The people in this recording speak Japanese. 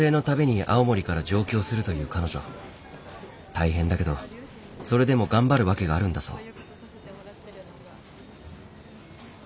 大変だけどそれでも頑張る訳があるんだそう。